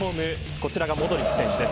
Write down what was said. こちらがモドリッチ選手です。